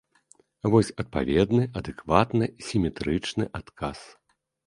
Вось адпаведны, адэкватны, сіметрычны адказ.